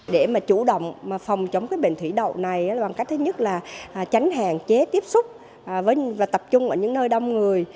để mà chủ động phòng chống cái bệnh thủy đậu này bằng cách thứ nhất là tránh hạn chế tiếp xúc và tập trung ở những nơi đông người